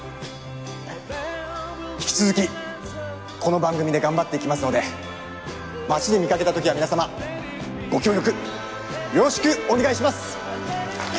引き続きこの番組で頑張っていきますので街で見かけたときは皆様ご協力よろしくお願いします！